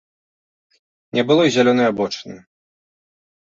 Не было і зялёнай абочыны.